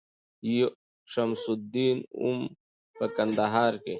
یو شمس الدین وم په کندهار کي